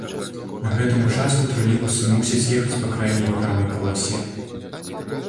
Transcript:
На гэтым участку тралейбусы мусяць ехаць па крайняй правай паласе.